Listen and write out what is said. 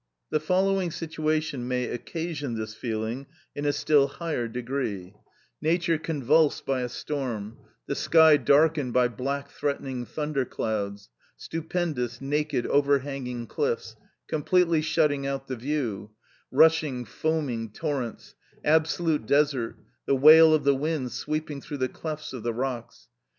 The following situation may occasion this feeling in a still higher degree: Nature convulsed by a storm; the sky darkened by black threatening thunder clouds; stupendous, naked, overhanging cliffs, completely shutting out the view; rushing, foaming torrents; absolute desert; the wail of the wind sweeping through the clefts of the rocks.